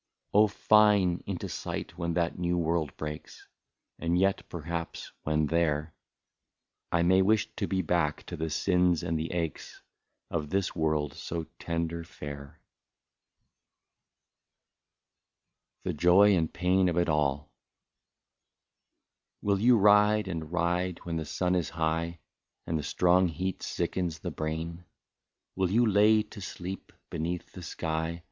Oh ! fine !— into sight when that new world breaks, And yet perhaps when there, I may wish to be back to the sins and the aches Of this world so tender fair. 154 THE JOY AND PAIN OF IT ALL. Will you ride and ride, when the sun is high, And the strong heat sickens the brain, Will you lay you to sleep beneath the sky.